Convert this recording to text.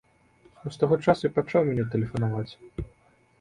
Ну з таго часу і пачаў мне тэлефанаваць.